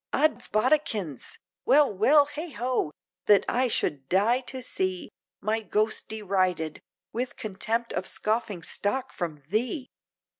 Oddsbodikins, well well! heigho! that I should die to see, My ghost derided, with contempt of scoffing stock from thee!